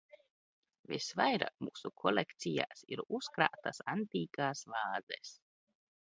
Visvairāk mūsu kolekcijās ir uzkrātas antīkās vāzes.